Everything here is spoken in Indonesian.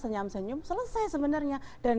senyam senyum selesai sebenarnya